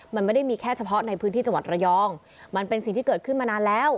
มันไม่ได้มีแค่เฉพาะในพื้นที่จังหวัดระยองมันเป็นสิ่งที่เกิดขึ้นมานานแล้ว